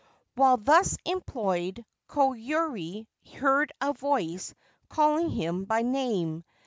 While thus employed Koyuri heard a voice calling him by name.